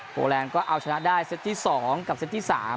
โปรแลนก็องชนะได้เป็นสองเสทถึงสาม